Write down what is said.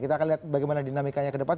kita akan lihat bagaimana dinamikanya ke depan